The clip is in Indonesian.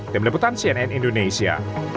demi deputan cnn indonesia